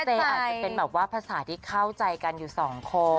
อาจจะเป็นแบบว่าภาษาที่เข้าใจกันอยู่สองคน